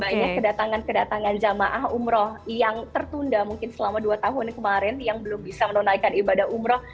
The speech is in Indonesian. banyak kedatangan kedatangan jemaah umroh yang tertunda mungkin selama dua tahun kemarin yang belum bisa menunaikan ibadah umroh